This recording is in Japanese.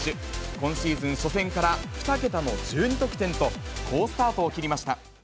今シーズン初戦から２桁の１２得点と、好スタートを切りました。